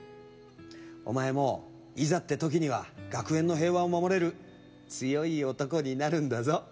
お前もいざって時には学園の平和を守れる強い男になるんだぞ。